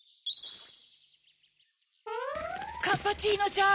カッパチーノちゃん。